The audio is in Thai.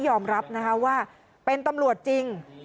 ยอมรับนะคะว่าเป็นตำรวจจริง